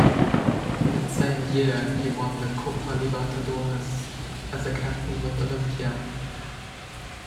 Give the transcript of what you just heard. That same year he won the Copa Libertadores as a captain with Olimpia.